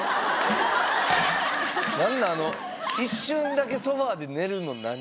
あの一瞬だけソファで寝るの何？